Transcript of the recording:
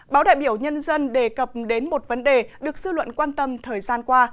báo đại biểu nhân dân đề cập đến một vấn đề được sư luận quan tâm thời gian qua